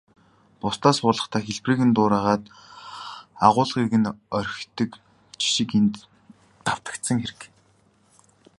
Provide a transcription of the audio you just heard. Бусдаас хуулахдаа хэлбэрийг нь дуурайгаад, агуулгыг нь орхидог жишиг энд давтагдсан хэрэг.